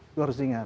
itu harus diingat